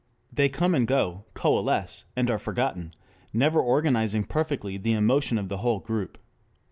They come and go, coalesce and are forgotten, never organizing perfectly the emotion of the whole group.